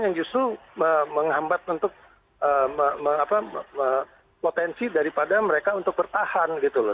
yang justru menghambat untuk potensi daripada mereka untuk bertahan gitu loh